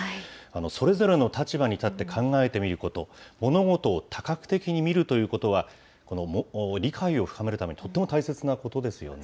それぞれの立場に立って考えてみること、物事を多角的に見るということは、理解を深めるためにとっても大切なことですよね。